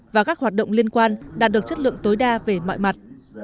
và các hoạt động liên quan đạt được chất lượng tối đa về mọi mặt